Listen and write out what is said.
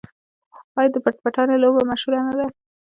آیا د پټ پټانې لوبه مشهوره نه ده؟